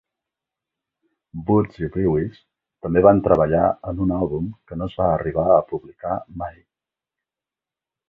Woods i Brewis també van treballar en un àlbum que no es va arribar a publicar mai.